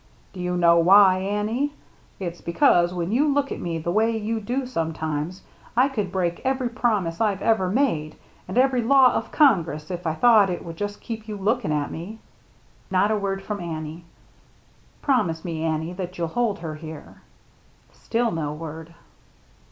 Do you know why, Annie? It's because when you 38 THE MERRT ANNE look at me the way you do sometimes, I could break every promise I've ever made — and every law of Congress if I thought it would just keep you looking at me." Not a word from Annie. " Promise me, Annie, that you'll hold her here?" Still no word.